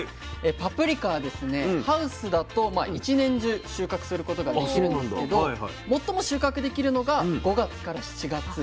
パプリカはですねハウスだと一年中収穫することができるんですけど最も収穫できるのが５月から７月。